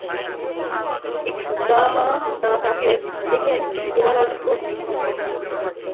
ইকরামা তাকে দেখলে তার চেহারায় গাম্ভীর্যের ছাপ আরো গাঢ়ভাবে পড়ে।